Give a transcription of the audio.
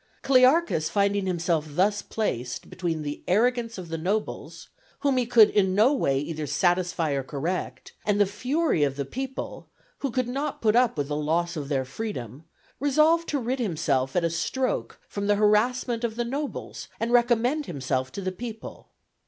Clearchus finding himself thus placed between the arrogance of the nobles, whom he could in no way either satisfy or correct, and the fury of the people, who could not put up with the loss of their freedom, resolved to rid himself at a stroke from the harassment of the nobles and recommend himself to the people.